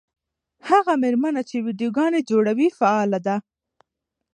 هغه مېرمنه چې ویډیوګانې جوړوي فعاله ده.